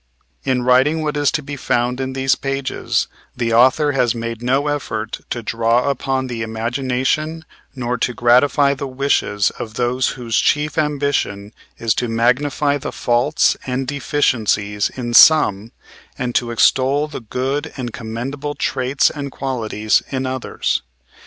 In writing what is to be found in these pages, the author has made no effort to draw upon the imagination, nor to gratify the wishes of those whose chief ambition is to magnify the faults and deficiencies in some and to extol the good and commendable traits and qualities in others.